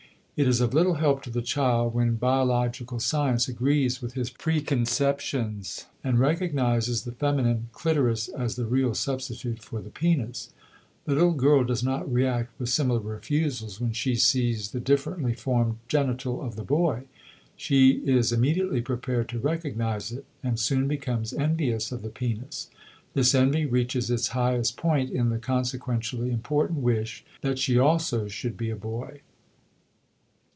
It is of little help to the child when biological science agrees with his preconceptions and recognizes the feminine clitoris as the real substitute for the penis. The little girl does not react with similar refusals when she sees the differently formed genital of the boy. She is immediately prepared to recognize it, and soon becomes envious of the penis; this envy reaches its highest point in the consequentially important wish that she also should be a boy.